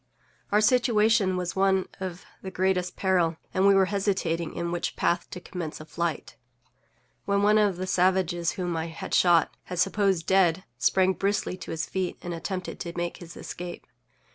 Our situation was one of the greatest peril, and we were hesitating in which path to commence a flight, when one of the savages _whom_I had shot, and supposed dead, sprang briskly to his feet, and attempted to make his escape.